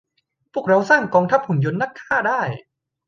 พวกเราสร้างกองทัพหุ่นยนต์นักฆ่าได้